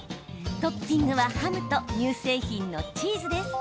トッピングはハムと乳製品のチーズです。